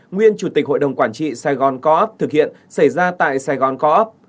nguyên chủ tịch hội đồng quản trị sài gòn co op thực hiện xảy ra tại sài gòn co op